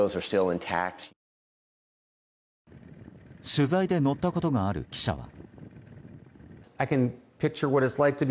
取材で乗ったことがある記者は。